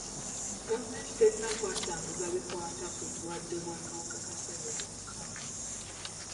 Gavumenti terina kwasanguza bikwata ku balwadde b'akawuka ka ssenyiga omukambwe.